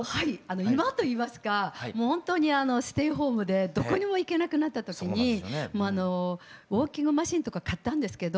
今といいますかもう本当にステイホームでどこにも行けなくなった時にウォーキングマシーンとか買ったんですけど。